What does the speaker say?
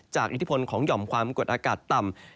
อิทธิพลของหย่อมความกดอากาศต่ำ